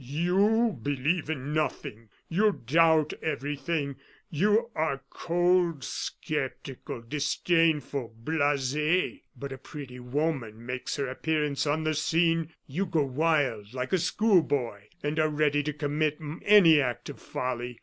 "You believe in nothing, you doubt everything you are cold, sceptical, disdainful, blase. But a pretty woman makes her appearance on the scene. You go wild like a school boy and are ready to commit any act of folly.